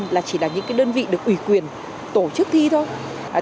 là chỉ là những cái đơn vị được ủy quyền tổ chức thi thôi